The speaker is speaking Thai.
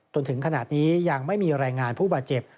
จนถึงขนาดนี้ยังไม่มีรายงานผู้บาดเจ็บ